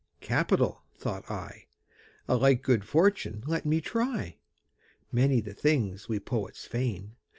'Capital!' thought I. 'A like good fortune let me try.' Many the things we poets feign.